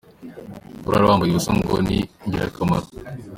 Kurara wambaye ubusa ngo ni ingirakamaro.